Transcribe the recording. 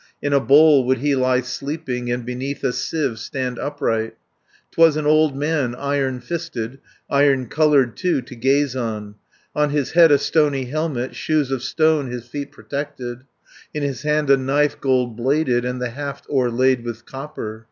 In a bowl would he lie sleeping, And beneath a sieve stand upright. 'Twas an old man, iron fisted, Iron coloured, too, to gaze on; On his head a stony helmet; Shoes of stone his feet protected; 100 In his hand a knife, gold bladed, And the haft o'erlaid with copper.